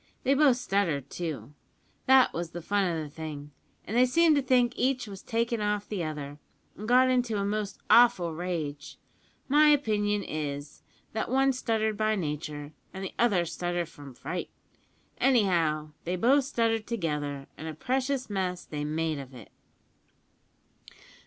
They both stuttered, too that was the fun o' the thing, and they seemed to think each was takin' off the other, and got into a most awful rage. My own opinion is, that one stuttered by nature, an' the other stuttered from fright. Anyhow, they both stuttered together, and a precious mess they made of it.